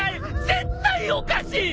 絶対おかしい！